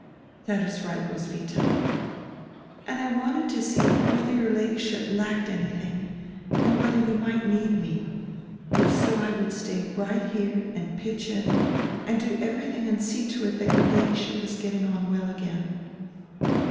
"That is right, Roswitha." "And I wanted to see whether your Ladyship lacked any thing, and whether you might need me. If so I would stay right here and pitch in and do everything and see to it that your Ladyship was getting on well again."